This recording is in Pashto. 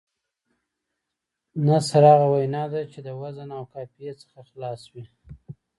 نثر هغه وینا ده، چي د وزن او قافيې څخه خلاصه وي.